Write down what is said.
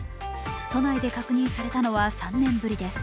都内で確認されたのは３年ぶりです